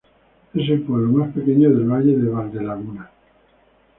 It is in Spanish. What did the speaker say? Es el pueblo más pequeño del Valle de Valdelaguna.